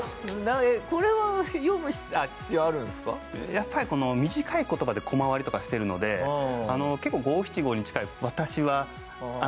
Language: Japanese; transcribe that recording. やっぱり短い言葉でコマ割りとかしてるので結構五七五に近い。